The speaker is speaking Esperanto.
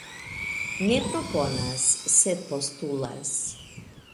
Ne proponas sed postulas.